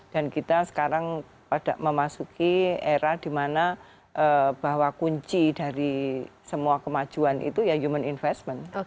dan kita sekarang memasuki era dimana bahwa kunci dari semua kemajuan itu ya human investment